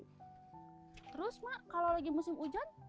terus mak kalau lagi musim hujan